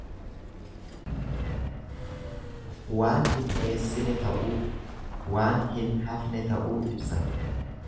Waan hin dheessine ta'uu, waan hin hafne ta'uu ibsa.